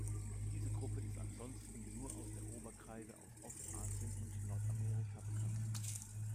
Diese Gruppe ist ansonsten nur aus der Oberkreide aus Ostasien und Nordamerika bekannt.